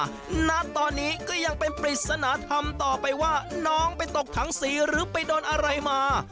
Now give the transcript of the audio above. ว่าน้องเนี่ยไปโดนอะไรมาณตอนนี้ก็ยังเป็นปริศนธรรมต่อไปว่าน้องไปตกถังสีหรือไปโดนอะไรมา